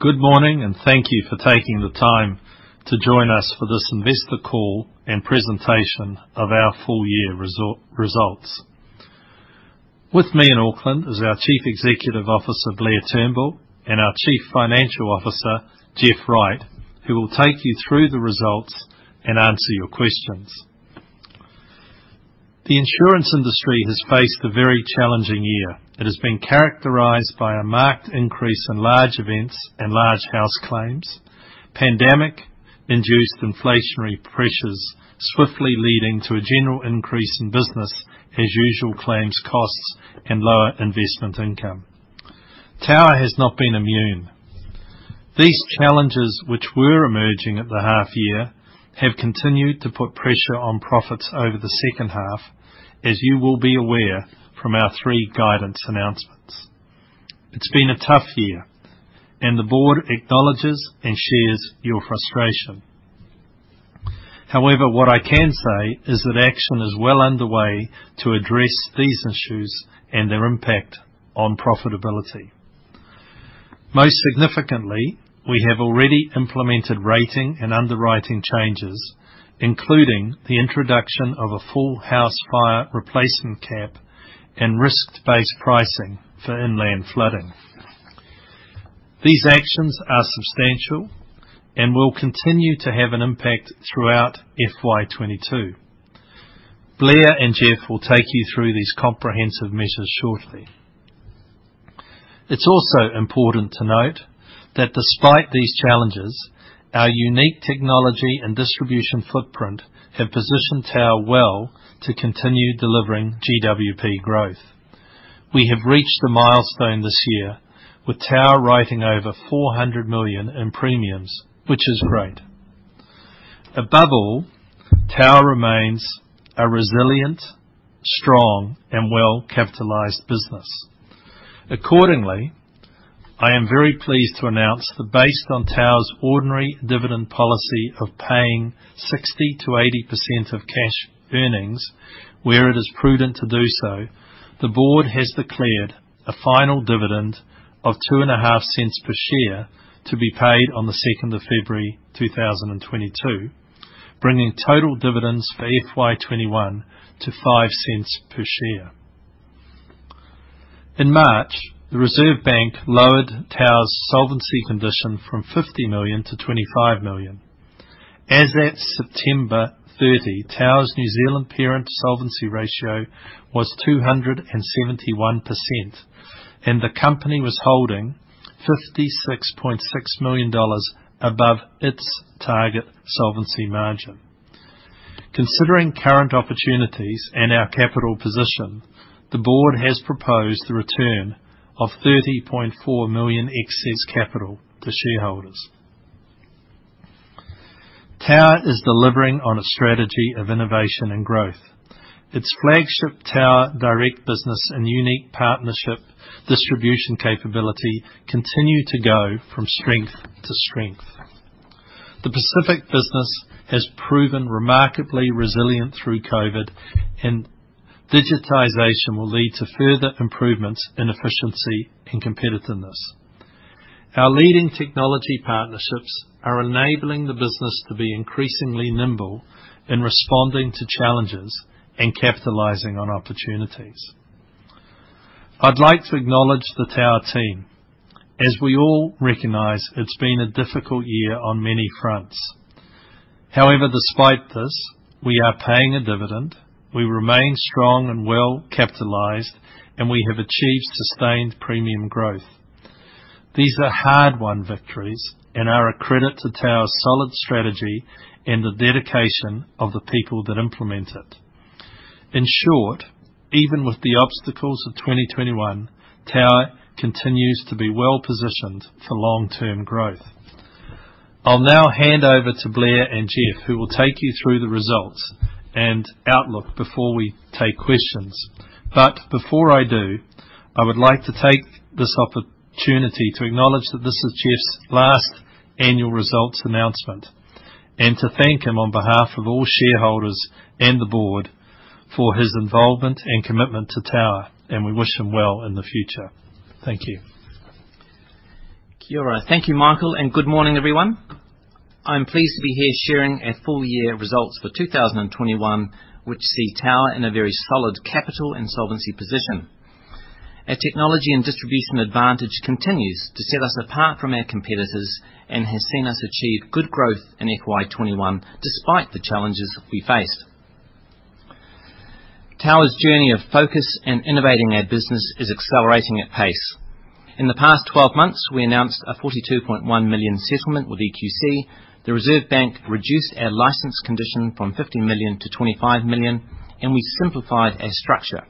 Good morning, and thank you for taking the time to join us for this investor call and presentation of our full year results. With me in Auckland is our Chief Executive Officer, Blair Turnbull, and our Chief Financial Officer, Jeff Wright, who will take you through the results and answer your questions. The insurance industry has faced a very challenging year. It has been characterized by a marked increase in large events and large house claims, pandemic-induced inflationary pressures swiftly leading to a general increase in business as usual claims costs and lower investment income. Tower has not been immune. These challenges, which were emerging at the half year, have continued to put pressure on profits over the second half, as you will be aware from our three guidance announcements. It's been a tough year, and the board acknowledges and shares your frustration. However, what I can say is that action is well underway to address these issues and their impact on profitability. Most significantly, we have already implemented rating and underwriting changes, including the introduction of a full house fire replacement cap and risked based pricing for inland flooding. These actions are substantial and will continue to have an impact throughout FY 2022. Blair and Jeff will take you through these comprehensive measures shortly. It's also important to note that despite these challenges, our unique technology and distribution footprint have positioned Tower well to continue delivering GWP growth. We have reached the milestone this year with Tower writing over 400 million in premiums, which is great. Above all, Tower remains a resilient, strong, and well-capitalized business. Accordingly, I am very pleased to announce that based on Tower's ordinary dividend policy of paying 60%-80% of cash earnings where it is prudent to do so, the board has declared a final dividend of 0.025 per share to be paid on the 2nd of February 2022, bringing total dividends for FY 2021 to 0.05 per share. In March, the Reserve Bank lowered Tower's solvency condition from 50 million to 25 million. As at September 30, Tower's New Zealand parent solvency ratio was 271%, and the company was holding 56.6 million dollars above its target solvency margin. Considering current opportunities and our capital position, the board has proposed the return of 30.4 million excess capital to shareholders. Tower is delivering on a strategy of innovation and growth. Its flagship Tower Direct business and unique partnership distribution capability continue to go from strength to strength. The Pacific business has proven remarkably resilient through COVID-19, and digitization will lead to further improvements in efficiency and competitiveness. Our leading technology partnerships are enabling the business to be increasingly nimble in responding to challenges and capitalizing on opportunities. I'd like to acknowledge the Tower team, as we all recognize it's been a difficult year on many fronts. However, despite this, we are paying a dividend, we remain strong and well-capitalized, and we have achieved sustained premium growth. These are hard-won victories and are a credit to Tower's solid strategy and the dedication of the people that implement it. In short, even with the obstacles of 2021, Tower continues to be well-positioned for long-term growth. I'll now hand over to Blair and Jeff, who will take you through the results and outlook before we take questions. Before I do, I would like to take this opportunity to acknowledge that this is Jeff's last annual results announcement and to thank him on behalf of all shareholders and the board for his involvement and commitment to Tower, and we wish him well in the future. Thank you. Kia ora. Thank you, Michael, and good morning, everyone. I'm pleased to be here sharing our full year results for 2021, which see Tower in a very solid capital and solvency position. Our technology and distribution advantage continues to set us apart from our competitors and has seen us achieve good growth in FY 2021 despite the challenges we faced. Tower's journey of focus and innovating our business is accelerating at pace. In the past 12 months, we announced a 42.1 million settlement with EQC. The Reserve Bank reduced our license condition from 50 million to 25 million, and we simplified our structure.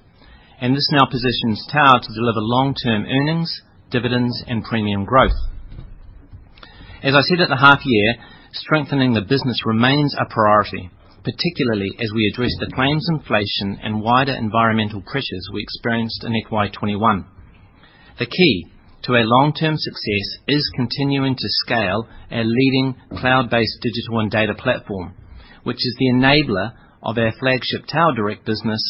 This now positions Tower to deliver long-term earnings, dividends, and premium growth. As I said at the half year, strengthening the business remains our priority, particularly as we address the claims inflation and wider environmental pressures we experienced in FY 2021. The key to our long-term success is continuing to scale our leading cloud-based digital and data platform, which is the enabler of our flagship Tower Direct business,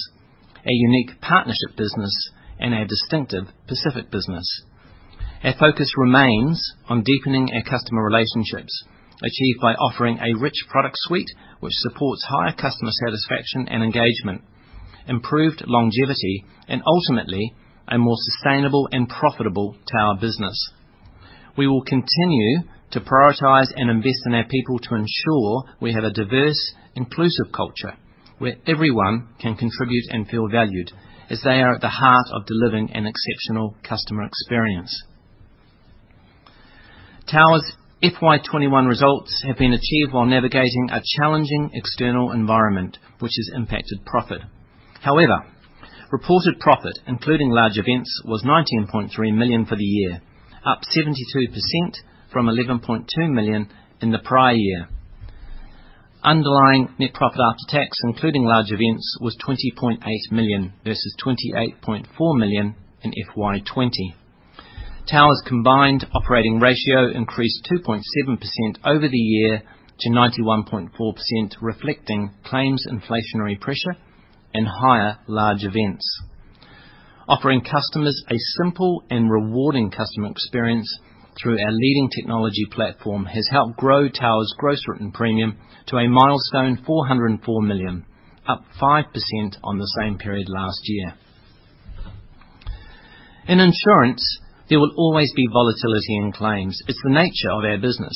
a unique partnership business and our distinctive Pacific business. Our focus remains on deepening our customer relationships, achieved by offering a rich product suite which supports higher customer satisfaction and engagement, improved longevity, and ultimately a more sustainable and profitable Tower business. We will continue to prioritize and invest in our people to ensure we have a diverse, inclusive culture where everyone can contribute and feel valued as they are at the heart of delivering an exceptional customer experience. Tower's FY 2021 results have been achieved while navigating a challenging external environment which has impacted profit. However, reported profit, including large events, was 19.3 million for the year, up 72% from 11.2 million in the prior year. Underlying net profit after tax, including large events, was 20.8 million vs 28.4 million in FY 2020. Tower's combined operating ratio increased 2.7% over the year to 91.4%, reflecting claims inflationary pressure and higher large events. Offering customers a simple and rewarding customer experience through our leading technology platform has helped grow Tower's gross written premium to a milestone 404 million, up 5% on the same period last year. In insurance, there will always be volatility in claims. It's the nature of our business.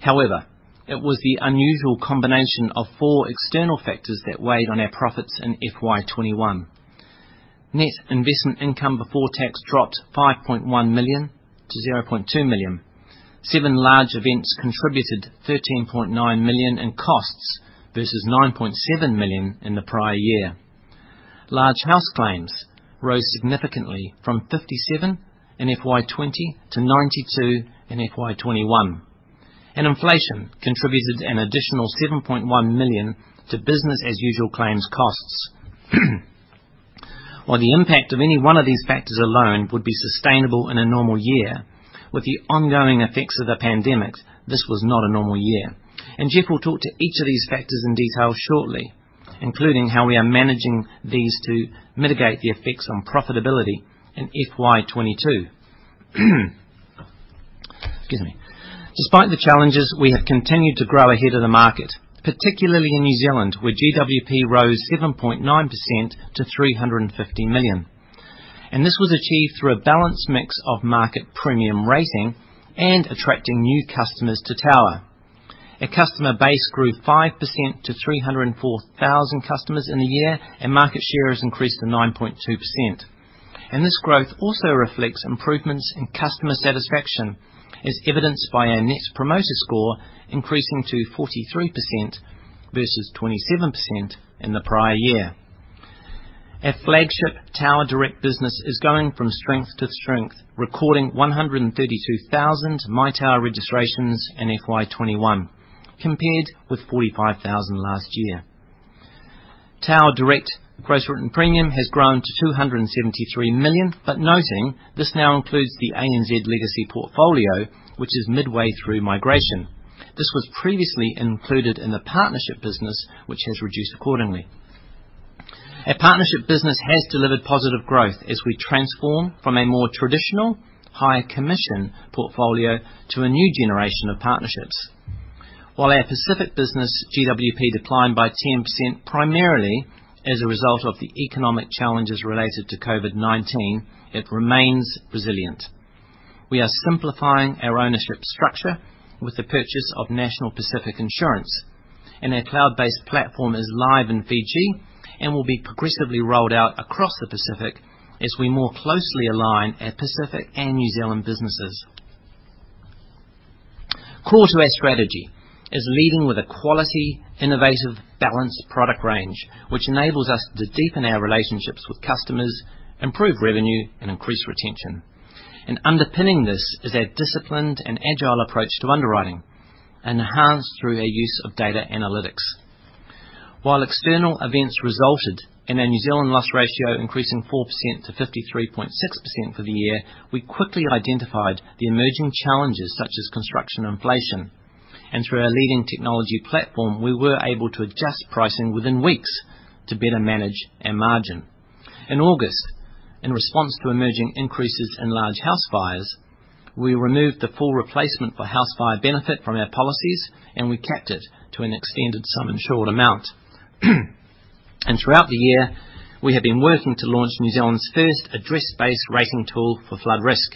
However, it was the unusual combination of four external factors that weighed on our profits in FY 2021. Net investment income before tax dropped 5.1 million to 0.2 million. Seven large events contributed 13.9 million in costs vs 9.7 million in the prior year. Large house claims rose significantly from 57 in FY 2020 to 92 in FY 2021, and inflation contributed an additional 7.1 million to business as usual claims costs. While the impact of any one of these factors alone would be sustainable in a normal year, with the ongoing effects of the pandemic, this was not a normal year. Jeff will talk to each of these factors in detail shortly, including how we are managing these to mitigate the effects on profitability in FY 2022. Excuse me. Despite the challenges, we have continued to grow ahead of the market, particularly in New Zealand, where GWP rose 7.9% to 350 million. This was achieved through a balanced mix of market premium rating and attracting new customers to Tower. Our customer base grew 5% to 304,000 customers in the year, and market share has increased to 9.2%. This growth also reflects improvements in customer satisfaction, as evidenced by our Net Promoter Score increasing to 43% vs 27% in the prior year. Our flagship Tower Direct business is going from strength to strength, recording 132,000 My Tower registrations in FY 2021, compared with 45,000 last year. Tower Direct gross written premium has grown to 273 million, but noting this now includes the ANZ legacy portfolio, which is midway through migration. This was previously included in the partnership business, which has reduced accordingly. Our partnership business has delivered positive growth as we transform from a more traditional high commission portfolio to a new generation of partnerships. While our Pacific business GWP declined by 10%, primarily as a result of the economic challenges related to COVID-19, it remains resilient. We are simplifying our ownership structure with the purchase of National Pacific Insurance, and our cloud-based platform is live in Fiji and will be progressively rolled out across the Pacific as we more closely align our Pacific and New Zealand businesses. Core to our strategy is leading with a quality, innovative, balanced product range, which enables us to deepen our relationships with customers, improve revenue and increase retention. Underpinning this is our disciplined and agile approach to underwriting, enhanced through our use of data analytics. While external events resulted in our New Zealand loss ratio increasing 4%-53.6% for the year, we quickly identified the emerging challenges such as construction inflation. Through our leading technology platform, we were able to adjust pricing within weeks to better manage our margin. In August, in response to emerging increases in large house fires, we removed the full replacement for house fire benefit from our policies, and we capped it to an extended sum insured amount. Throughout the year, we have been working to launch New Zealand's first address-based rating tool for flood risk.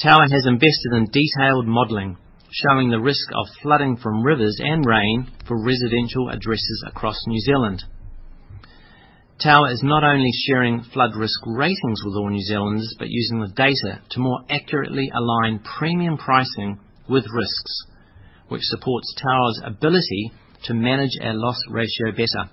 Tower has invested in detailed modeling, showing the risk of flooding from rivers and rain for residential addresses across New Zealand. Tower is not only sharing flood risk ratings with all New Zealanders, but using the data to more accurately align premium pricing with risks, which supports Tower's ability to manage our loss ratio better.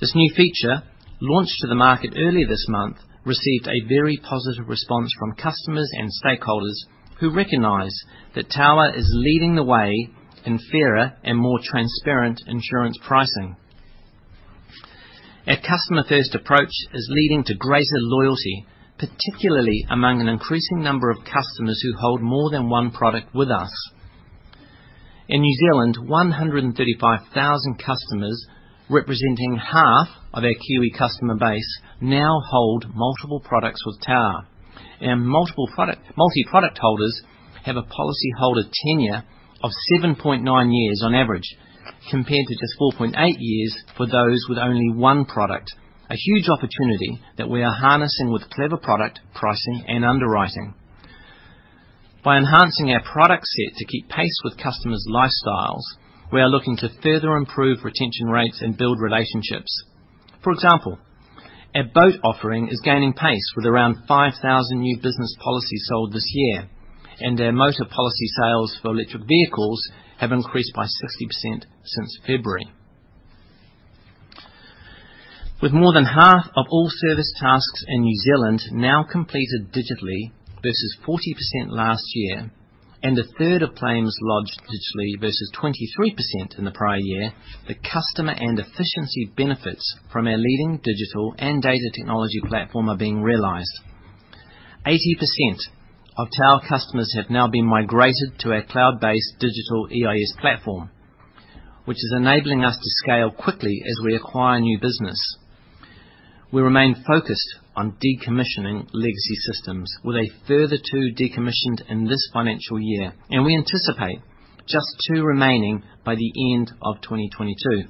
This new feature, launched to the market earlier this month, received a very positive response from customers and stakeholders who recognize that Tower is leading the way in fairer and more transparent insurance pricing. Our customer-first approach is leading to greater loyalty, particularly among an increasing number of customers who hold more than one product with us. In New Zealand, 135,000 customers, representing half of our Kiwi customer base, now hold multiple products with Tower. Multi-product holders have a policyholder tenure of 7.9 years on average, compared to just 4.8 years for those with only one product. A huge opportunity that we are harnessing with clever product pricing and underwriting. By enhancing our product set to keep pace with customers' lifestyles, we are looking to further improve retention rates and build relationships. For example, our boat offering is gaining pace with around 5,000 new business policies sold this year, and our motor policy sales for electric vehicles have increased by 60% since February. With more than half of all service tasks in New Zealand now completed digitally vs 40% last year, and a third of claims lodged digitally vs 23% in the prior year, the customer and efficiency benefits from our leading digital and data technology platform are being realized. 80% of Tower customers have now been migrated to our cloud-based digital EIS platform, which is enabling us to scale quickly as we acquire new business. We remain focused on decommissioning legacy systems, with a further two decommissioned in this financial year, and we anticipate just two remaining by the end of 2022.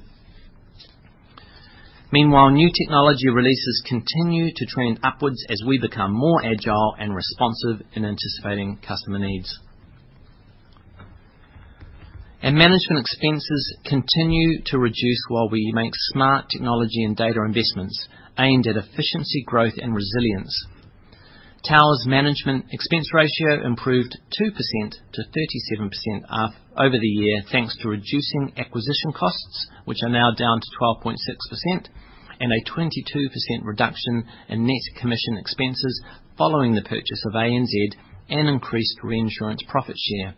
Meanwhile, new technology releases continue to trend upwards as we become more agile and responsive in anticipating customer needs. Our management expenses continue to reduce while we make smart technology and data investments aimed at efficiency, growth, and resilience. Tower's management expense ratio improved 2% to 37% over the year, thanks to reducing acquisition costs, which are now down to 12.6% and a 22% reduction in net commission expenses following the purchase of ANZ and increased reinsurance profit share.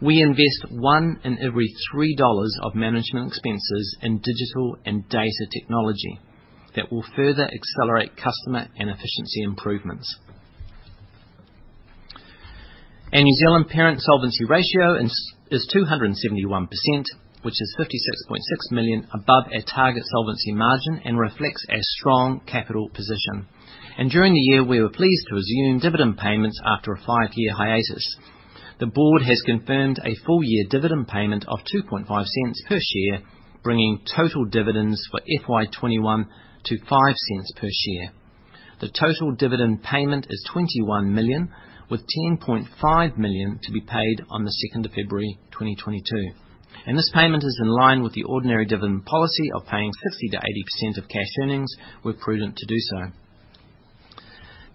We invest $1 in every $3 of management expenses in digital and data technology that will further accelerate customer and efficiency improvements. Our New Zealand parent's solvency ratio is 271%, which is 56.6 million above our target solvency margin and reflects our strong capital position. During the year, we were pleased to resume dividend payments after a five-year hiatus. The board has confirmed a full year dividend payment of 2.5 cents per share, bringing total dividends for FY 2021 to 5 cents per share. The total dividend payment is 21 million, with 10.5 million to be paid on 2nd of February, 2022. This payment is in line with the ordinary dividend policy of paying 60%-80% of cash earnings where prudent to do so.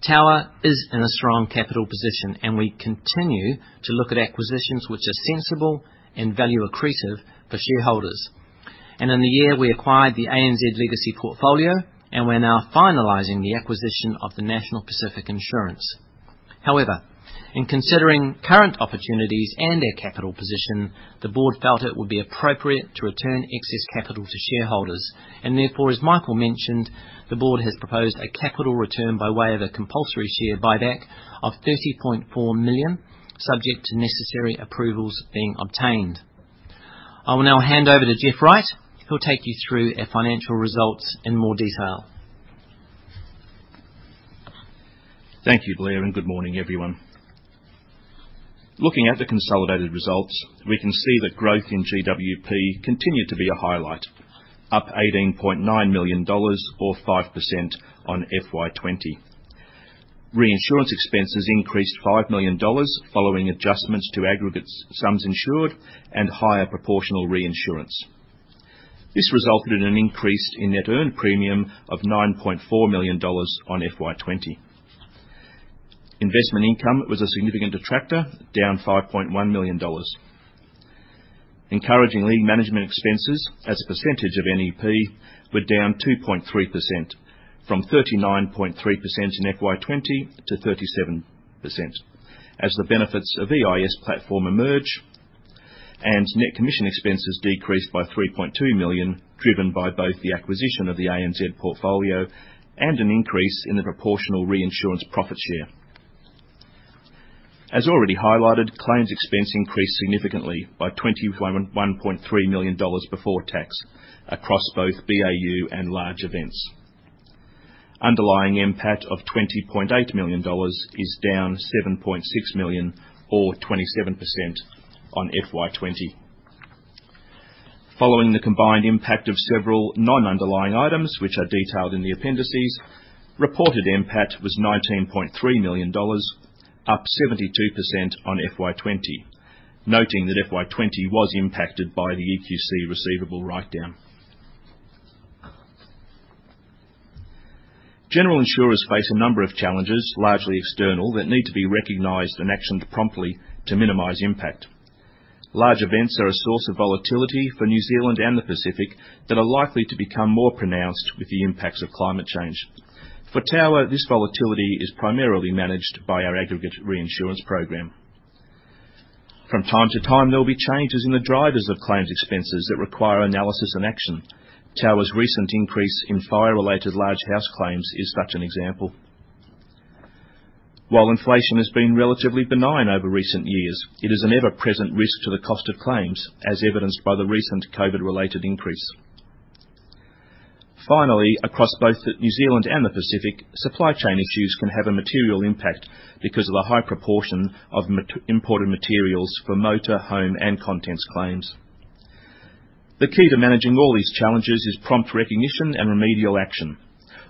Tower is in a strong capital position, and we continue to look at acquisitions which are sensible and value accretive for shareholders. In the year, we acquired the ANZ legacy portfolio, and we're now finalizing the acquisition of the National Pacific Insurance. However, in considering current opportunities and our capital position, the board felt it would be appropriate to return excess capital to shareholders. Therefore, as Michael mentioned, the board has proposed a capital return by way of a compulsory share buyback of 30.4 million, subject to necessary approvals being obtained. I will now hand over to Jeff Wright, who'll take you through our financial results in more detail. Thank you, Blair, and good morning, everyone. Looking at the consolidated results, we can see that growth in GWP continued to be a highlight, up 18.9 million dollars or 5% on FY 2020. Reinsurance expenses increased 5 million dollars following adjustments to aggregate sums insured and higher proportional reinsurance. This resulted in an increase in net earned premium of NZD 9.4 million on FY 2020. Investment income was a significant detractor, down 5.1 million dollars. Encouragingly, management expenses as a percentage of NEP were down 2.3% from 39.3% in FY 2020 to 37% as the benefits of EIS platform emerge. Net commission expenses decreased by 3.2 million, driven by both the acquisition of the ANZ portfolio and an increase in the proportional reinsurance profit share. As already highlighted, claims expense increased significantly by 21.3 million dollars before tax across both BAU and large events. Underlying MPAT of 20.8 million dollars is down 7.6 million or 27% on FY 2020. Following the combined impact of several non-underlying items which are detailed in the appendices, reported MPAT was NZD 19.3 million, up 72% on FY 2020. Noting that FY 2020 was impacted by the EQC receivable write-down. General insurers face a number of challenges, largely external, that need to be recognized and actioned promptly to minimize impact. Large events are a source of volatility for New Zealand and the Pacific that are likely to become more pronounced with the impacts of climate change. For Tower, this volatility is primarily managed by our aggregate reinsurance program. From time to time, there will be changes in the drivers of claims expenses that require analysis and action. Tower's recent increase in fire-related large house claims is such an example. While inflation has been relatively benign over recent years, it is an ever-present risk to the cost of claims, as evidenced by the recent COVID-related increase. Finally, across both the New Zealand and the Pacific, supply chain issues can have a material impact because of the high proportion of mainly imported materials for motor, home, and contents claims. The key to managing all these challenges is prompt recognition and remedial action.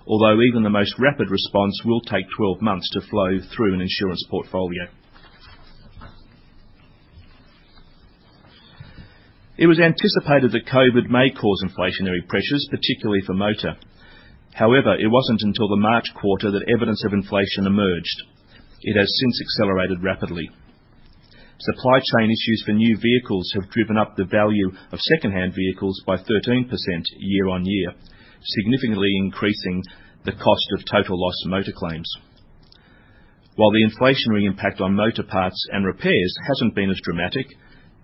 Although even the most rapid response will take 12 months to flow through an insurance portfolio. It was anticipated that COVID may cause inflationary pressures, particularly for motor. However, it wasn't until the March quarter that evidence of inflation emerged. It has since accelerated rapidly. Supply chain issues for new vehicles have driven up the value of secondhand vehicles by 13% year-on-year, significantly increasing the cost of total loss motor claims. While the inflationary impact on motor parts and repairs hasn't been as dramatic,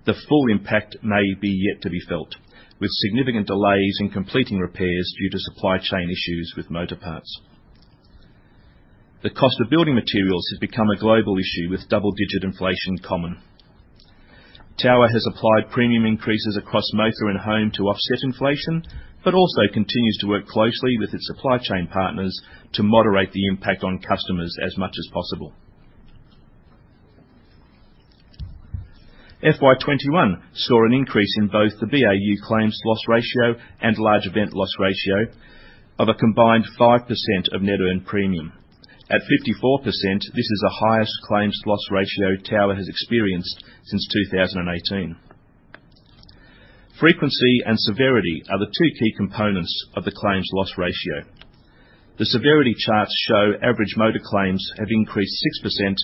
the full impact may be yet to be felt, with significant delays in completing repairs due to supply chain issues with motor parts. The cost of building materials has become a global issue, with double-digit inflation common. Tower has applied premium increases across motor and home to offset inflation, but also continues to work closely with its supply chain partners to moderate the impact on customers as much as possible. FY 2021 saw an increase in both the BAU claims loss ratio and large event loss ratio of a combined 5% of net earned premium. At 54%, this is the highest claims loss ratio Tower has experienced since 2018. Frequency and severity are the two key components of the claims loss ratio. The severity charts show average motor claims have increased 6%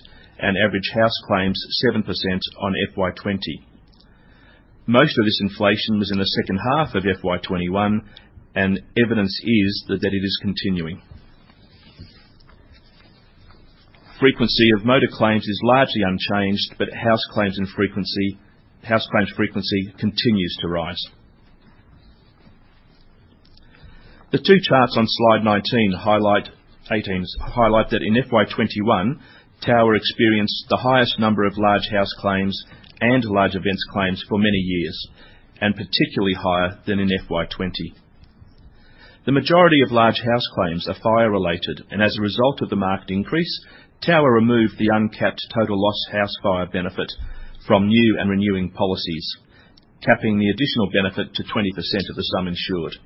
and average house claims 7% on FY 2020. Most of this inflation was in the second half of FY 2021, and evidence is that it is continuing. Frequency of motor claims is largely unchanged, but house claims frequency continues to rise. The two charts on slide 18 highlight that in FY 2021, Tower experienced the highest number of large house claims and large events claims for many years, and particularly higher than in FY 2020. The majority of large house claims are fire-related, and as a result of the marked increase, Tower removed the uncapped total loss house fire benefit from new and renewing policies, capping the additional benefit to 20% of the sum insured.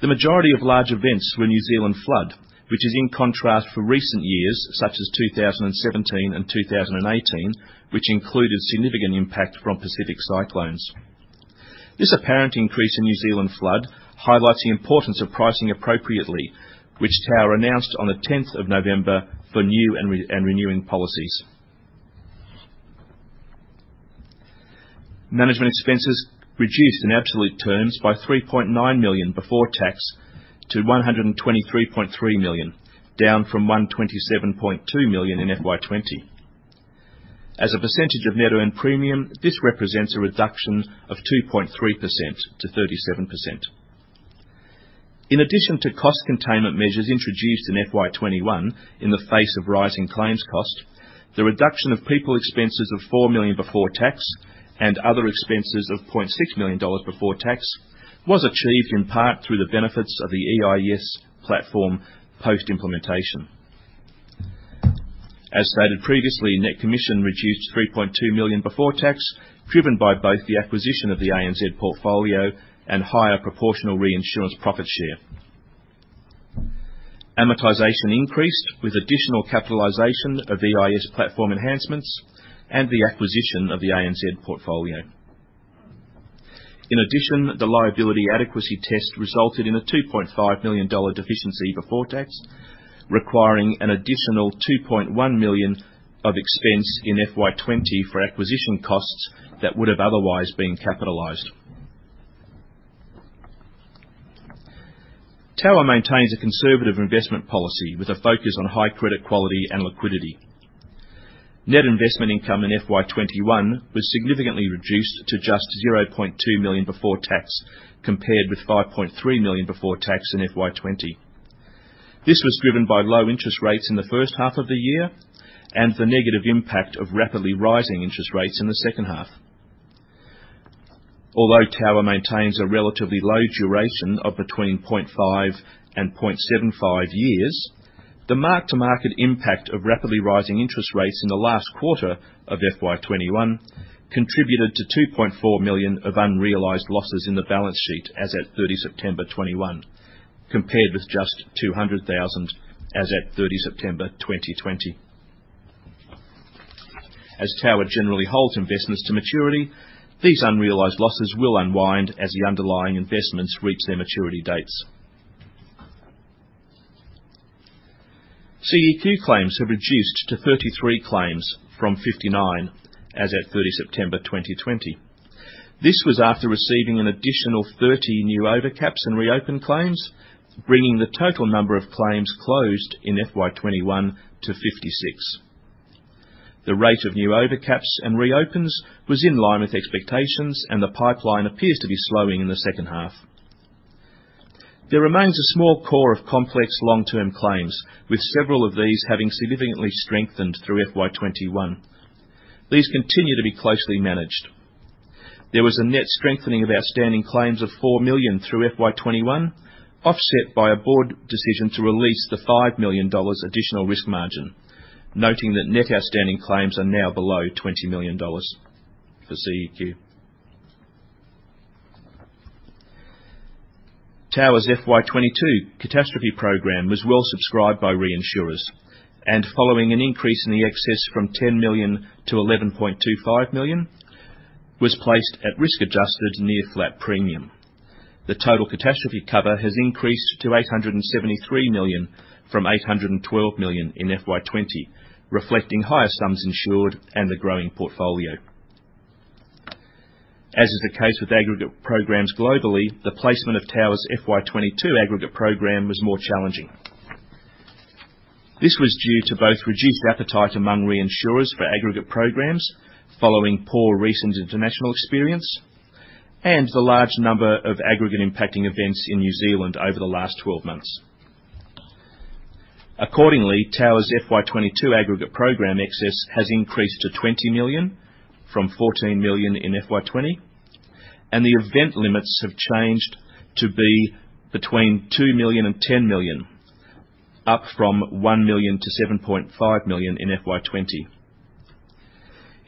The majority of large events were New Zealand flood, which is in contrast for recent years, such as 2017 and 2018, which included significant impact from Pacific cyclones. This apparent increase in New Zealand flood highlights the importance of pricing appropriately, which Tower announced on the tenth of November for new and renewing policies. Management expenses reduced in absolute terms by 3.9 million before tax to 123.3 million, down from 127.2 million in FY 2020. As a percentage of net earned premium, this represents a reduction of 2.3%-37%. In addition to cost containment measures introduced in FY 2021 in the face of rising claims cost, the reduction of people expenses of 4 million before tax and other expenses of 0.6 million dollars before tax was achieved in part through the benefits of the EIS platform post-implementation. As stated previously, net commission reduced 3.2 million before tax, driven by both the acquisition of the ANZ portfolio and higher proportional reinsurance profit share. Amortization increased with additional capitalization of EIS platform enhancements and the acquisition of the ANZ portfolio. In addition, the liability adequacy test resulted in a 2.5 million dollar deficiency before tax, requiring an additional 2.1 million of expense in FY 2020 for acquisition costs that would have otherwise been capitalized. Tower maintains a conservative investment policy with a focus on high credit quality and liquidity. Net investment income in FY 2021 was significantly reduced to just 0.2 million before tax, compared with 5.3 million before tax in FY 2020. This was driven by low interest rates in the first half of the year and the negative impact of rapidly rising interest rates in the second half. Although Tower maintains a relatively low duration of between 0.5-0.75 years, the mark-to-market impact of rapidly rising interest rates in the last quarter of FY 2021 contributed to 2.4 million of unrealized losses in the balance sheet as at 30th September 2021, compared with just 200,000 as at 30th September 2020. Tower generally holds investments to maturity. These unrealized losses will unwind as the underlying investments reach their maturity dates. CEQ claims have reduced to 33 claims from 59 as at 30th September 2020. This was after receiving an additional 30 new overcaps and reopened claims, bringing the total number of claims closed in FY 2021 to 56. The rate of new overcaps and reopens was in line with expectations, and the pipeline appears to be slowing in the second half. There remains a small core of complex long-term claims, with several of these having significantly strengthened through FY 2021. These continue to be closely managed. There was a net strengthening of outstanding claims of 4 million through FY 2021, offset by a board decision to release the 5 million dollars additional risk margin, noting that net outstanding claims are now below 20 million dollars for CEQ. Tower's FY 2022 catastrophe program was well subscribed by reinsurers, and following an increase in the excess from 10 million to 11.25 million, was placed at risk adjusted near flat premium. The total catastrophe cover has increased to 873 million from 812 million in FY 2020, reflecting higher sums insured and the growing portfolio. As is the case with aggregate programs globally, the placement of Tower's FY 2022 aggregate program was more challenging. This was due to both reduced appetite among reinsurers for aggregate programs following poor recent international experience and the large number of aggregate impacting events in New Zealand over the last 12 months. Accordingly, Tower's FY 2022 aggregate program excess has increased to 20 million from 14 million in FY 2020, and the event limits have changed to be between 2 million and 10 million, up from 1 million to 7.5 million in FY 2020.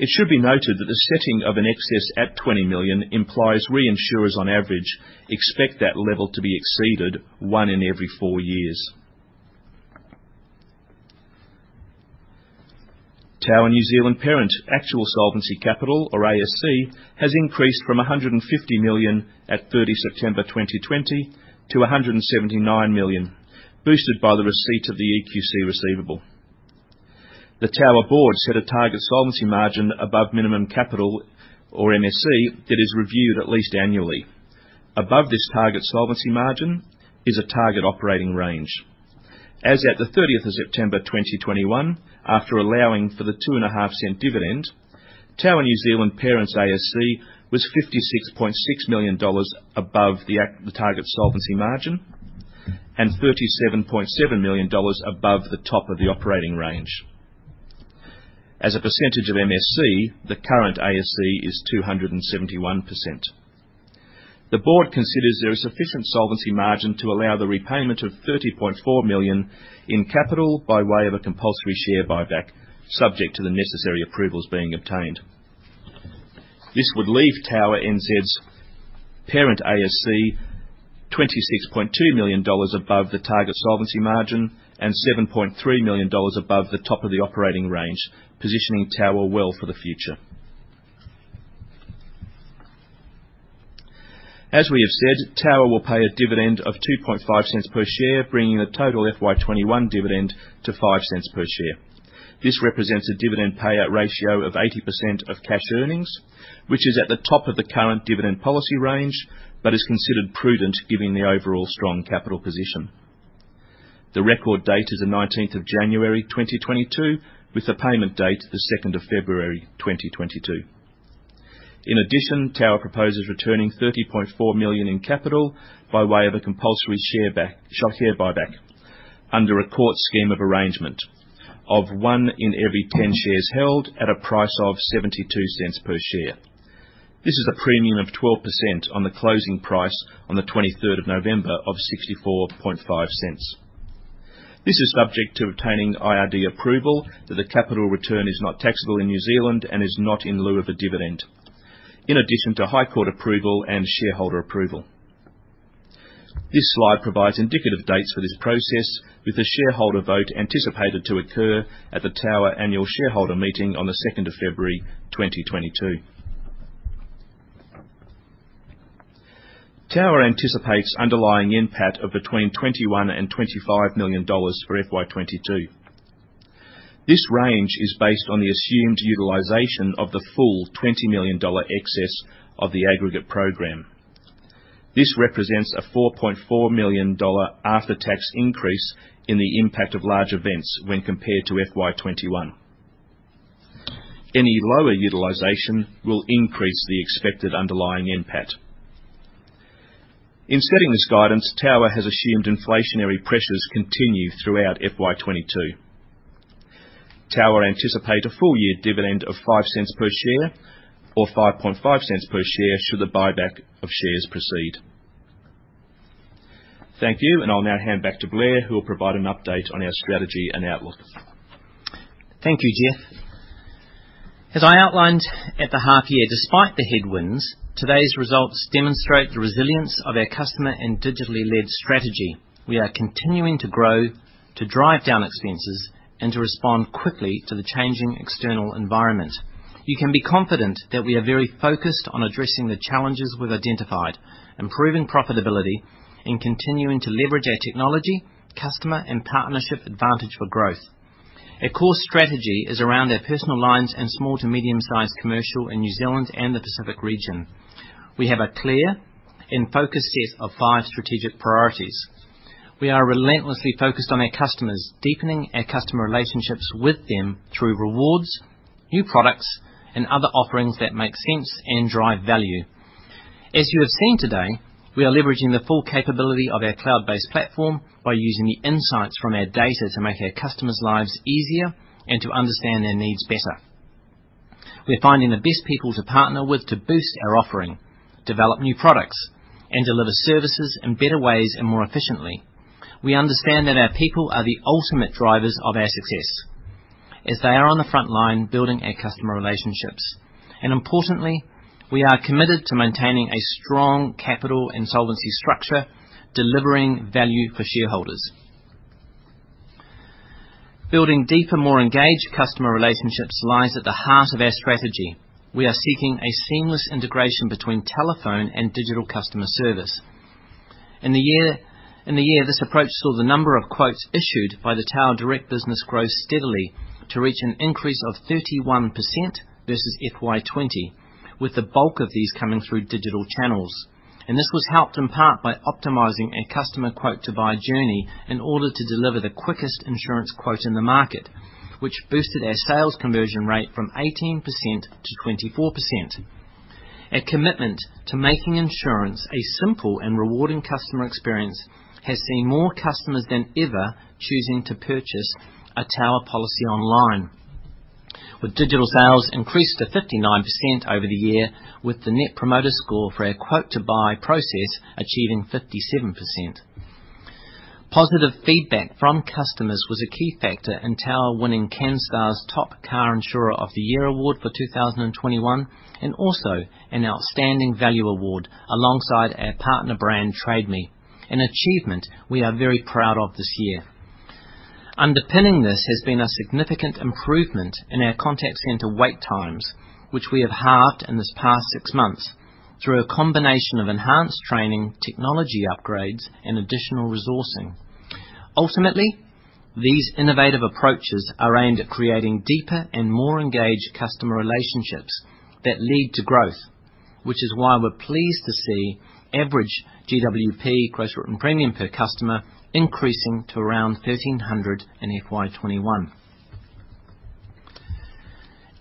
It should be noted that the setting of an excess at 20 million implies reinsurers on average expect that level to be exceeded one in every four years. Tower New Zealand parent actual solvency capital or ASC has increased from 150 million at 30 September 2020 to 179 million, boosted by the receipt of the EQC receivable. The Tower board set a target solvency margin above minimum capital, or MSC, that is reviewed at least annually. Above this target solvency margin is a target operating range. As at 30th September 2021, after allowing for the 2.5-cent dividend, Tower NZ parent's ASC was 56.6 million dollars above the target solvency margin and 37.7 million dollars above the top of the operating range. As a percentage of MSC, the current ASC is 271%. The board considers there is sufficient solvency margin to allow the repayment of 30.4 million in capital by way of a compulsory share buyback, subject to the necessary approvals being obtained. This would leave Tower NZ's parent ASC 26.2 million dollars above the target solvency margin and 7.3 million dollars above the top of the operating range, positioning Tower well for the future. As we have said, Tower will pay a dividend of 0.025 per share, bringing the total FY 2021 dividend to 0.05 per share. This represents a dividend payout ratio of 80% of cash earnings, which is at the top of the current dividend policy range but is considered prudent given the overall strong capital position. The record date is the 19th of January 2022, with the payment date the 2nd of February 2022. In addition, Tower proposes returning 30.4 million in capital by way of a compulsory share buyback under a court scheme of arrangement of 1 in every 10 shares held at a price of 0.72 per share. This is a premium of 12% on the closing price on the 23rd of November of 0.645. This is subject to obtaining IRD approval that the capital return is not taxable in New Zealand and is not in lieu of a dividend, in addition to High Court approval and shareholder approval. This slide provides indicative dates for this process, with the shareholder vote anticipated to occur at the Tower annual shareholder meeting on 2nd of February, 2022. Tower anticipates underlying NPAT of between 21 million and 25 million dollars for FY 2022. This range is based on the assumed utilization of the full 20 million dollar excess of the aggregate program. This represents a 4.4 million dollar after-tax increase in the impact of large events when compared to FY 2021. Any lower utilization will increase the expected underlying NPAT. In setting this guidance, Tower has assumed inflationary pressures continue throughout FY 2022. Tower anticipate a full-year dividend of 0.05 per share or 0.055 per share should the buyback of shares proceed. Thank you. I'll now hand back to Blair, who will provide an update on our strategy and outlook. Thank you, Jeff. As I outlined at the half year, despite the headwinds, today's results demonstrate the resilience of our customer and digitally led strategy. We are continuing to grow, to drive down expenses, and to respond quickly to the changing external environment. You can be confident that we are very focused on addressing the challenges we've identified, improving profitability, and continuing to leverage our technology, customer, and partnership advantage for growth. Our core strategy is around our personal lines and small to medium-sized commercial in New Zealand and the Pacific region. We have a clear focus set of five strategic priorities. We are relentlessly focused on our customers, deepening our customer relationships with them through rewards, new products, and other offerings that make sense and drive value. As you have seen today, we are leveraging the full capability of our cloud-based platform by using the insights from our data to make our customers' lives easier and to understand their needs better. We're finding the best people to partner with to boost our offering, develop new products, and deliver services in better ways and more efficiently. We understand that our people are the ultimate drivers of our success as they are on the front line building our customer relationships. Importantly, we are committed to maintaining a strong capital and solvency structure, delivering value for shareholders. Building deeper, more engaged customer relationships lies at the heart of our strategy. We are seeking a seamless integration between telephone and digital customer service. In the year, this approach saw the number of quotes issued by the Tower Direct business grow steadily to reach an increase of 31% vs FY 2020, with the bulk of these coming through digital channels. This was helped in part by optimizing our customer quote to buy journey in order to deliver the quickest insurance quote in the market, which boosted our sales conversion rate from 18%-24%. A commitment to making insurance a simple and rewarding customer experience has seen more customers than ever choosing to purchase a Tower policy online, with digital sales increased to 59% over the year, with the Net Promoter Score for our quote to buy process achieving 57%. Positive feedback from customers was a key factor in Tower winning Canstar's top car insurer of the year award for 2021, and also an outstanding value award alongside our partner brand Trade Me, an achievement we are very proud of this year. Underpinning this has been a significant improvement in our contact center wait times, which we have halved in this past 6 months through a combination of enhanced training, technology upgrades, and additional resourcing. Ultimately, these innovative approaches are aimed at creating deeper and more engaged customer relationships that lead to growth. Which is why we're pleased to see average GWP gross written premium per customer increasing to around 1,300 in FY 2021.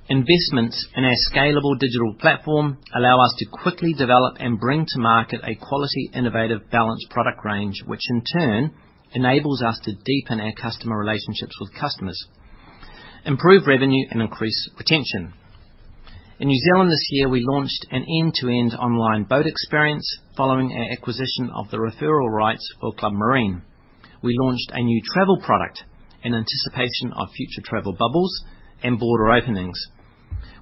Investments in our scalable digital platform allow us to quickly develop and bring to market a quality, innovative, balanced product range, which in turn enables us to deepen our customer relationships with customers, improve revenue, and increase retention. In New Zealand this year, we launched an end-to-end online boat experience following our acquisition of the referral rights for Club Marine. We launched a new travel product in anticipation of future travel bubbles and border openings.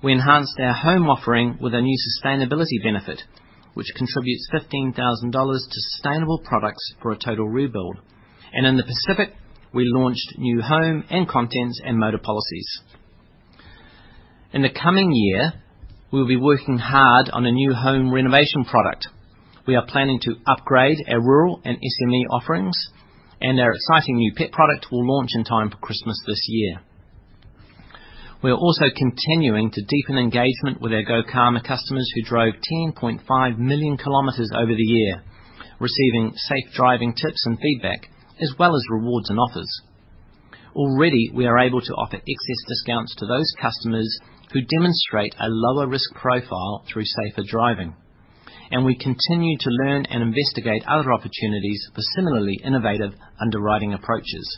We enhanced our home offering with a new sustainability benefit, which contributes 15,000 dollars to sustainable products for a total rebuild. In the Pacific, we launched new home and contents and motor policies. In the coming year, we'll be working hard on a new home renovation product. We are planning to upgrade our rural and SME offerings, and our exciting new pet product will launch in time for Christmas this year. We are also continuing to deepen engagement with our GoCarma customers who drove 10.5 million km over the year, receiving safe driving tips and feedback, as well as rewards and offers. Already, we are able to offer excess discounts to those customers who demonstrate a lower risk profile through safer driving, and we continue to learn and investigate other opportunities for similarly innovative underwriting approaches.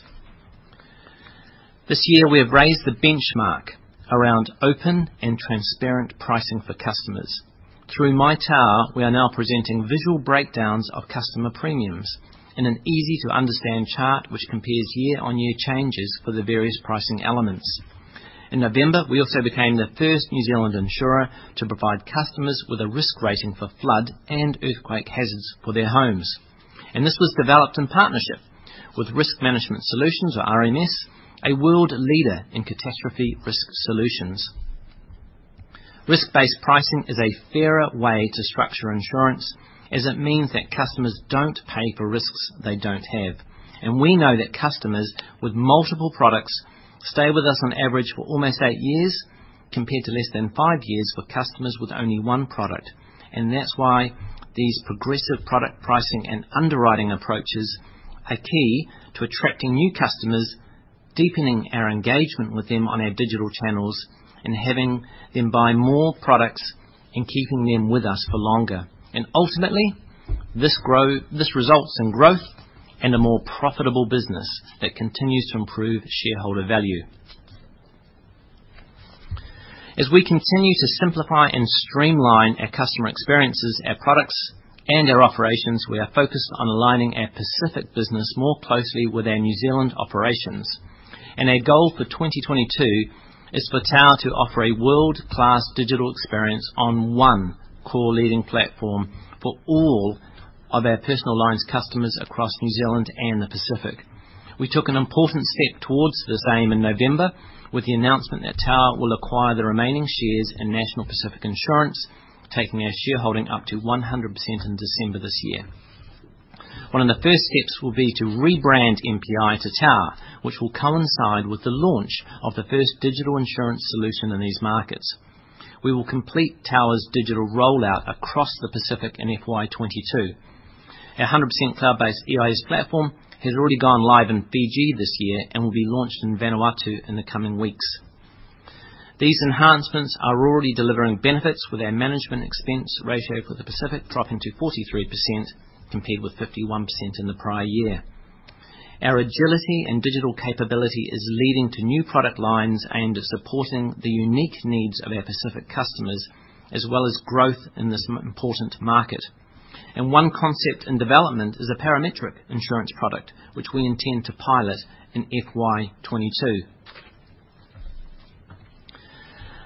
This year, we have raised the benchmark around open and transparent pricing for customers. Through My Tower, we are now presenting visual breakdowns of customer premiums in an easy to understand chart, which compares year-on-year changes for the various pricing elements. In November, we also became the first New Zealand insurer to provide customers with a risk rating for flood and earthquake hazards for their homes. This was developed in partnership with Risk Management Solutions or RMS, a world leader in catastrophe risk solutions. Risk-based pricing is a fairer way to structure insurance, as it means that customers don't pay for risks they don't have. We know that customers with multiple products stay with us on average for almost eight years, compared to less than five years for customers with only one product. That's why these progressive product pricing and underwriting approaches are key to attracting new customers, deepening our engagement with them on our digital channels, and having them buy more products and keeping them with us for longer. Ultimately, this results in growth and a more profitable business that continues to improve shareholder value. As we continue to simplify and streamline our customer experiences, our products, and our operations, we are focused on aligning our Pacific business more closely with our New Zealand operations. Our goal for 2022 is for Tower to offer a world-class digital experience on one core leading platform for all of our personal lines customers across New Zealand and the Pacific. We took an important step towards this aim in November with the announcement that Tower will acquire the remaining shares in National Pacific Insurance, taking our shareholding up to 100% in December this year. One of the first steps will be to rebrand NPI to Tower, which will coincide with the launch of the first digital insurance solution in these markets. We will complete Tower's digital rollout across the Pacific in FY 2022. Our 100% cloud-based EIS platform has already gone live in Fiji this year and will be launched in Vanuatu in the coming weeks. These enhancements are already delivering benefits with our management expense ratio for the Pacific dropping to 43% compared with 51% in the prior year. Our agility and digital capability is leading to new product lines aimed at supporting the unique needs of our Pacific customers, as well as growth in this important market. One concept in development is a parametric insurance product, which we intend to pilot in FY 2022.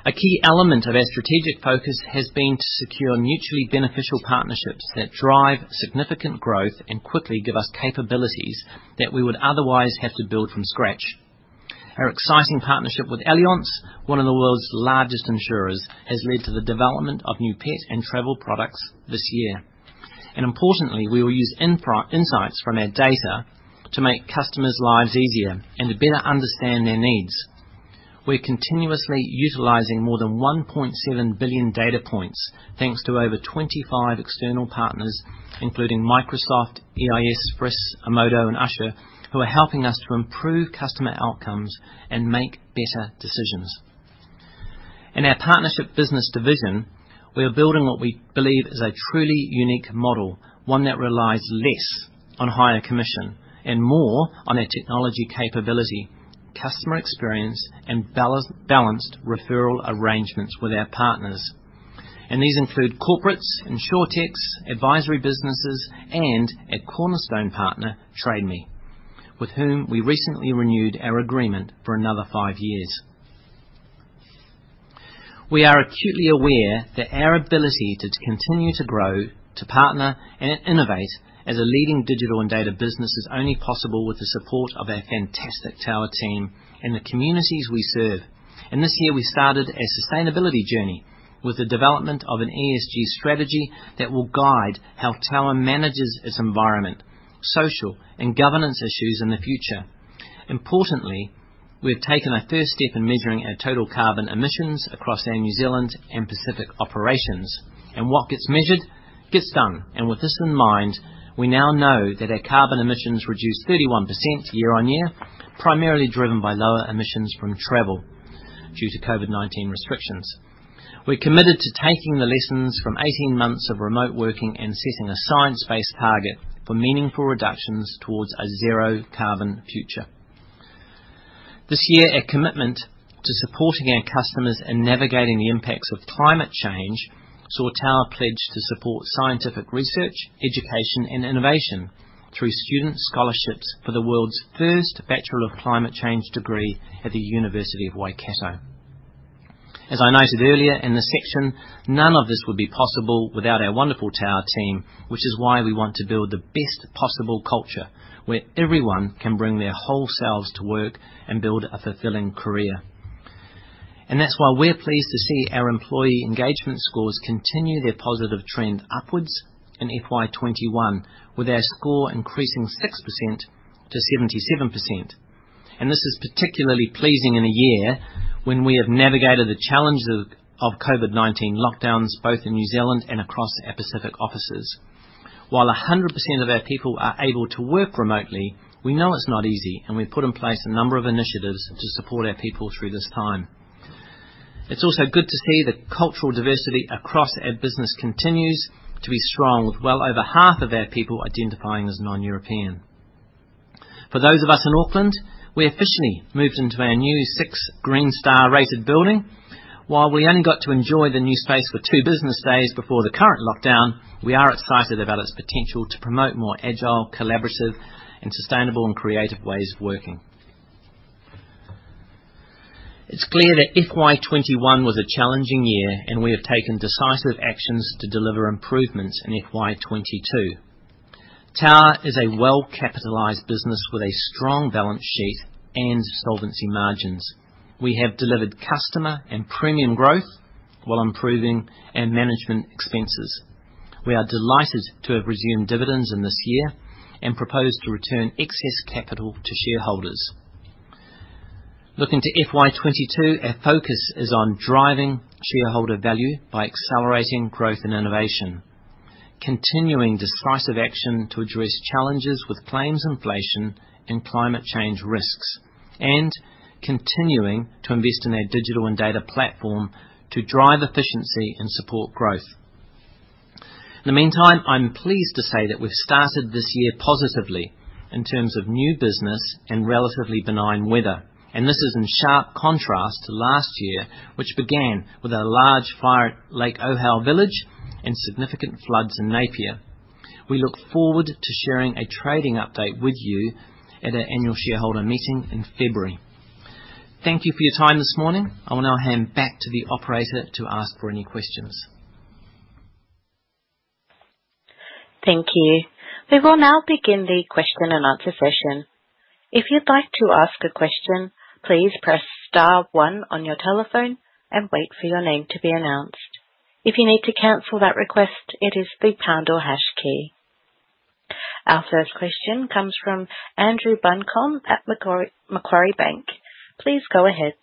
A key element of our strategic focus has been to secure mutually beneficial partnerships that drive significant growth and quickly give us capabilities that we would otherwise have to build from scratch. Our exciting partnership with Allianz, one of the world's largest insurers, has led to the development of new pet and travel products this year. Importantly, we will use insights from our data to make customers' lives easier and to better understand their needs. We're continuously utilizing more than 1.7 billion data points thanks to over 25 external partners, including Microsoft, EIS, Friss, Amodo, and Ushur, who are helping us to improve customer outcomes and make better decisions. In our partnership business division, we are building what we believe is a truly unique model, one that relies less on higher commission and more on our technology capability, customer experience, and balanced referral arrangements with our partners. These include corporates, insurtechs, advisory businesses and our cornerstone partner, Trade Me, with whom we recently renewed our agreement for another five years. We are acutely aware that our ability to continue to grow, to partner and innovate as a leading digital and data business is only possible with the support of our fantastic Tower team and the communities we serve. This year we started a sustainability journey with the development of an ESG strategy that will guide how Tower manages its environment, social and governance issues in the future. Importantly, we have taken our first step in measuring our total carbon emissions across our New Zealand and Pacific operations. What gets measured, gets done. With this in mind, we now know that our carbon emissions reduced 31% year-on-year, primarily driven by lower emissions from travel due to COVID-19 restrictions. We're committed to taking the lessons from 18 months of remote working and setting a science-based target for meaningful reductions towards a zero carbon future. This year, our commitment to supporting our customers in navigating the impacts of climate change saw Tower pledge to support scientific research, education and innovation through student scholarships for the world's first Bachelor of Climate Change degree at the University of Waikato. As I noted earlier in this section, none of this would be possible without our wonderful Tower team, which is why we want to build the best possible culture where everyone can bring their whole selves to work and build a fulfilling career. That's why we're pleased to see our employee engagement scores continue their positive trend upwards in FY 2021, with our score increasing 6%-77%. This is particularly pleasing in a year when we have navigated the challenges of COVID-19 lockdowns, both in New Zealand and across our Pacific offices. While 100% of our people are able to work remotely, we know it's not easy, and we've put in place a number of initiatives to support our people through this time. It's also good to see that cultural diversity across our business continues to be strong, with well over half of our people identifying as non-European. For those of us in Auckland, we officially moved into our new 6 Green Star-rated building. While we only got to enjoy the new space for two business days before the current lockdown, we are excited about its potential to promote more agile, collaborative and sustainable and creative ways of working. It's clear that FY 2021 was a challenging year and we have taken decisive actions to deliver improvements in FY 2022. Tower is a well-capitalized business with a strong balance sheet and solvency margins. We have delivered customer and premium growth while improving our management expenses. We are delighted to have resumed dividends in this year and propose to return excess capital to shareholders. Looking to FY 2022, our focus is on driving shareholder value by accelerating growth and innovation, continuing decisive action to address challenges with claims inflation and climate change risks, and continuing to invest in our digital and data platform to drive efficiency and support growth. In the meantime, I'm pleased to say that we've started this year positively in terms of new business and relatively benign weather, and this is in sharp contrast to last year, which began with a large fire at Lake Ohau Village and significant floods in Napier. We look forward to sharing a trading update with you at our annual shareholder meeting in February. Thank you for your time this morning. I will now hand back to the operator to ask for any questions. Thank you. We will now begin the question and answer session. If you'd like to ask a question, please press star one on your telephone and wait for your name to be announced. If you need to cancel that request, it is the pound or hash key. Our first question comes from Andrew Buncombe at Macquarie Bank. Please go ahead.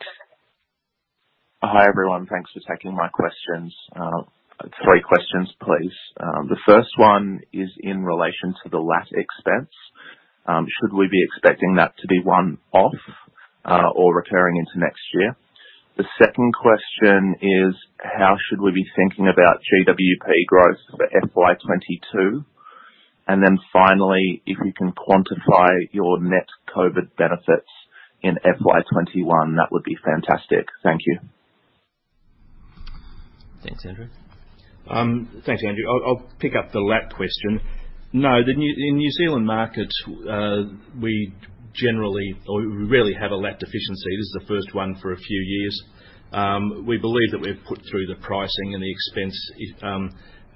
Hi, everyone. Thanks for taking my questions. Three questions, please. The first one is in relation to the LAT expense. Should we be expecting that to be one-off, or recurring into next year? The second question is, how should we be thinking about GWP growth for FY 2022? Then finally, if you can quantify your net COVID benefits in FY 2021, that would be fantastic. Thank you. Thanks, Andrew. Thanks, Andrew. I'll pick up the LAT question. No, in New Zealand markets, we generally or we rarely have a LAT deficiency. This is the first one for a few years. We believe that we've put through the pricing and the expense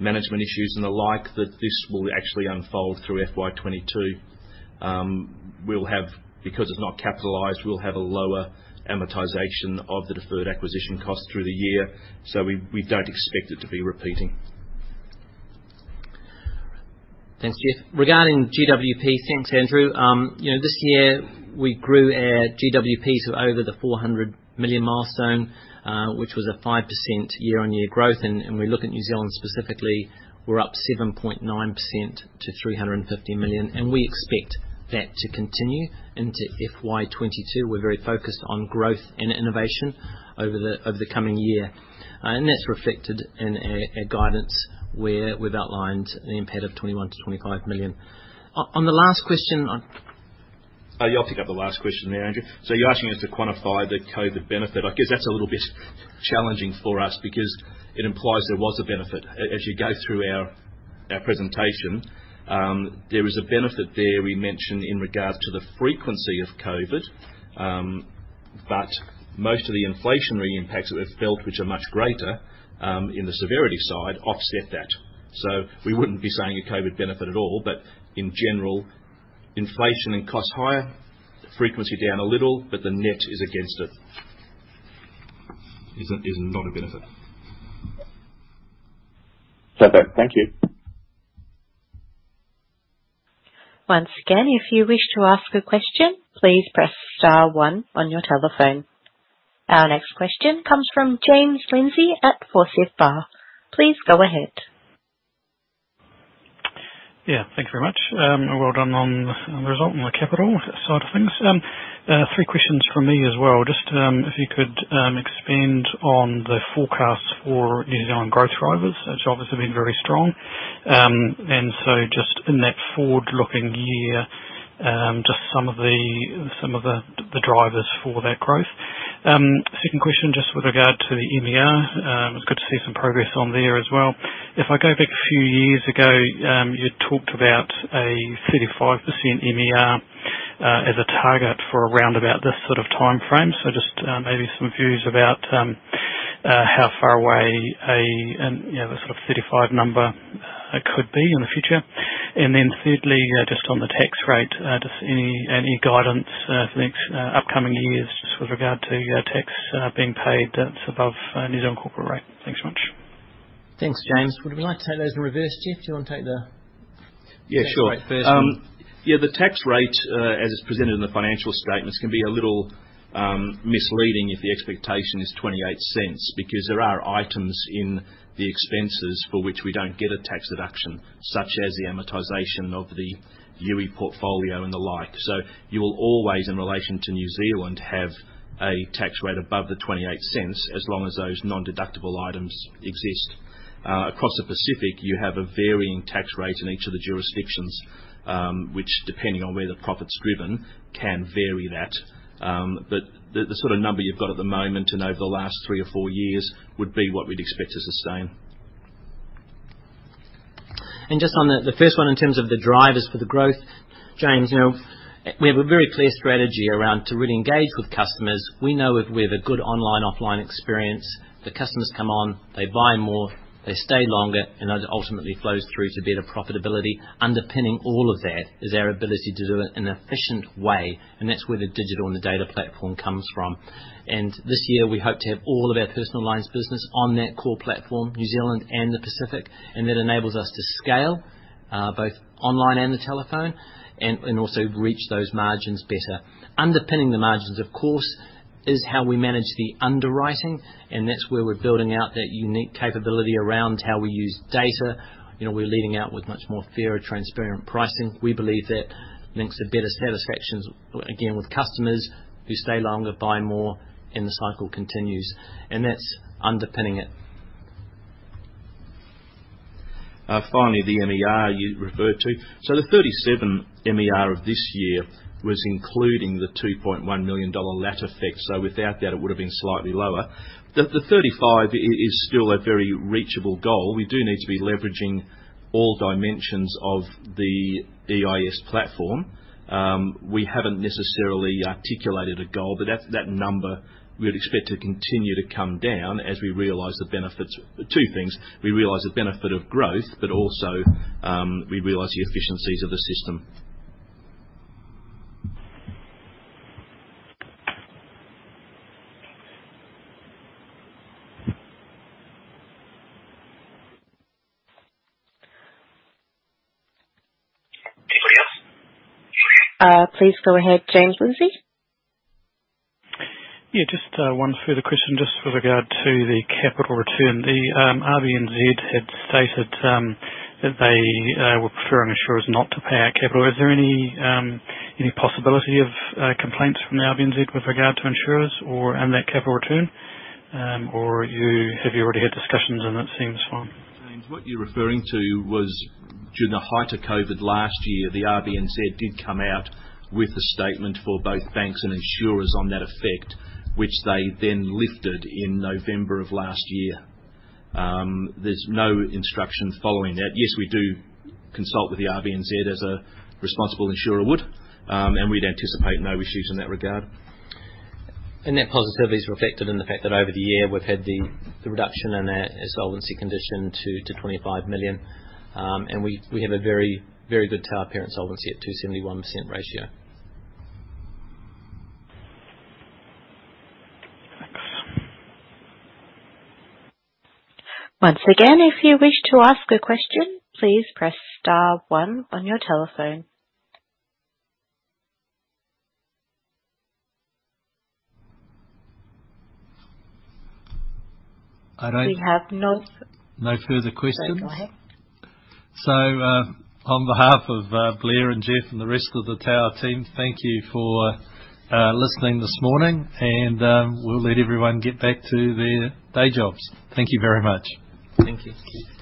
management issues and the like, that this will actually unfold through FY 2022. Because it's not capitalized, we'll have a lower amortization of the deferred acquisition cost through the year, so we don't expect it to be repeating. Thanks, Jeff. Regarding GWP. Thanks, Andrew. You know, this year we grew our GWPs to over the 400 million milestone, which was a 5% year-on-year growth. We look at New Zealand specifically, we're up 7.9% to 350 million, and we expect that to continue into FY 2022. We're very focused on growth and innovation over the coming year. That's reflected in our guidance, where we've outlined an impact of 21 million-25 million. On the last question on Yeah, I'll pick up the last question there, Andrew. You're asking us to quantify the COVID benefit. I guess that's a little bit challenging for us because it implies there was a benefit. As you go through our presentation, there is a benefit there we mention in regards to the frequency of COVID. Most of the inflationary impacts that we've felt, which are much greater, in the severity side, offset that. We wouldn't be seeing a COVID benefit at all. In general, inflation and cost higher, frequency down a little, but the net is against it, is not a benefit. Perfect. Thank you. Once again, if you wish to ask a question, please press star one on your telephone. Our next question comes from James Lindsay at Forsyth Barr. Please go ahead. Yeah, thank you very much. Well done on the result, on the capital side of things. Three questions from me as well. Just, if you could, expand on the forecast for New Zealand growth drivers, which obviously been very strong. Just in that forward-looking year, just some of the drivers for that growth. Second question, just with regard to the MER. It's good to see some progress on there as well. If I go back a few years ago, you talked about a 35% MER, as a target for around about this sort of timeframe. Just, maybe some views about, how far away a, you know, the sort of 35 number, could be in the future. Thirdly, just on the tax rate, just any guidance for the next upcoming years just with regard to tax being paid that's above the New Zealand corporate rate? Thanks so much. Thanks, James. Would we like to take those in reverse, Jeff? Do you wanna take the- Yeah, sure. tax rate first and Yeah, the tax rate, as it's presented in the financial statements, can be a little misleading if the expectation is 28%, because there are items in the expenses for which we don't get a tax deduction, such as the amortization of the Youi portfolio and the like. You will always, in relation to New Zealand, have a tax rate above the 28% as long as those non-deductible items exist. Across the Pacific, you have a varying tax rate in each of the jurisdictions, which, depending on where the profit's driven, can vary that. The sort of number you've got at the moment and over the last three or four years would be what we'd expect to sustain. Just on the first one, in terms of the drivers for the growth. James, you know, we have a very clear strategy around to really engage with customers. We know if we have a good online/offline experience, the customers come on, they buy more, they stay longer, and that ultimately flows through to better profitability. Underpinning all of that is our ability to do it in an efficient way, and that's where the digital and the data platform comes from. This year, we hope to have all of our personal lines business on that core platform, New Zealand and the Pacific, and that enables us to scale both online and the telephone and also reach those margins better. Underpinning the margins, of course, is how we manage the underwriting, and that's where we're building out that unique capability around how we use data. You know, we're leading out with much more fairer, transparent pricing. We believe that links to better satisfactions, again, with customers who stay longer, buy more, and the cycle continues. That's underpinning it. Finally, the MER you referred to. The 37% MER of this year was including the 2.1 million dollar LAT effect. Without that, it would've been slightly lower. The 35% is still a very reachable goal. We do need to be leveraging all dimensions of the EIS platform. We haven't necessarily articulated a goal, but at that number, we'd expect to continue to come down as we realize the benefits. Two things. We realize the benefit of growth, but also, we realize the efficiencies of the system. Anybody else? Please go ahead, James Lindsay. Yeah, just one further question just with regard to the capital return. The RBNZ had stated that they were preferring insurers not to pay out capital. Is there any possibility of complaints from the RBNZ with regard to insurers or and that capital return? Or have you already had discussions and that seems fine? James, what you're referring to was during the height of COVID last year, the RBNZ did come out with a statement for both banks and insurers on that effect, which they then lifted in November of last year. There's no instruction following that. Yes, we do consult with the RBNZ as a responsible insurer would. We'd anticipate no issues in that regard. That positivity is reflected in the fact that over the year we've had the reduction in our solvency condition to 25 million. We have a very, very good Tower parent solvency at 271% ratio. Once again, if you wish to ask a question, please press star one on your telephone. I don't- We have no s- No further questions. Go ahead. On behalf of Blair and Jeff and the rest of the Tower team, thank you for listening this morning and we'll let everyone get back to their day jobs. Thank you very much. Thank you.